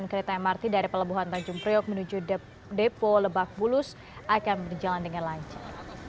kereta mrt dari pelabuhan tanjung priok menuju depo lebak bulus akan berjalan dengan lancar